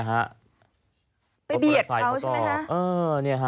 ไปเบียดเขาใช่ไหมฮะ